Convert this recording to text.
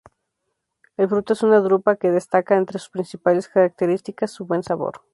El fruto es una drupa que destaca entre sus principales características su buen sabor.